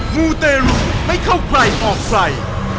มูเตรุไม่เข้าใครออกใคร